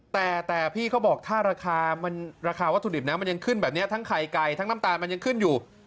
แต่พี่เขาบอกถ้าราคาราคาวัตถุดิบนะมันยังขึ้นแบบนี้ทั้งไข่ไก่ทั้งน้ำตาลมันยังขึ้นอยู่